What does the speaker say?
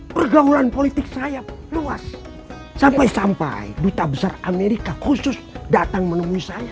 pergaulan politik saya luas sampai sampai duta besar amerika khusus datang menemui saya